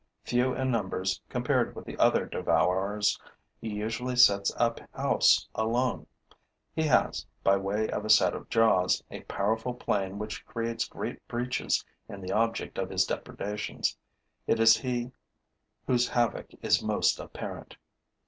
Few in numbers, compared with the other devourers, he usually sets up house alone. He has, by way of a set of jaws, a powerful plane which creates great breaches in the object of his depredations. It is he whose havoc is most apparent.